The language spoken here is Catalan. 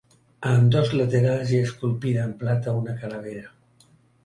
A ambdós laterals hi ha esculpida en plata una calavera.